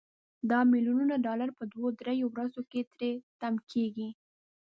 دا ملیونونه ډالر په دوه درې ورځو کې تري تم کیږي.